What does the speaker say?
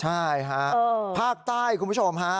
ใช่ฮะภาคใต้คุณผู้ชมฮะ